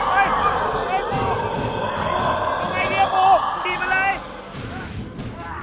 คุณไงดิพูชี้ไปเลย